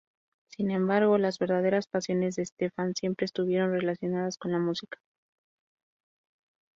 Sin embargo, las verdaderas pasiones de Estefan siempre estuvieron relacionadas con la música.